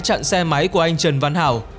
chặn xe máy của anh trần văn hảo